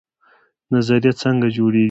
نظریه څنګه جوړیږي؟